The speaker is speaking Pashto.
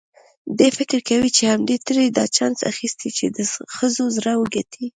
دی فکر کوي چې همدې ترې دا چانس اخیستی چې د ښځو زړه وګټي.